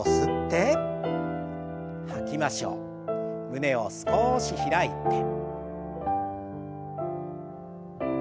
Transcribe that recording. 胸を少し開いて。